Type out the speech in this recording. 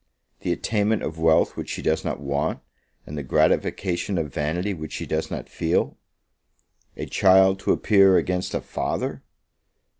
the attainment of wealth which she does not want, and the gratification of vanity which she does not feel. A child to appear against a father!